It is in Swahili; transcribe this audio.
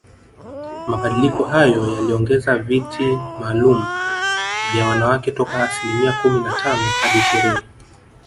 Mabadiliko hayo yaliongeza viti maalum vya wanawake toka asilimia kumi na tano hadi ishirini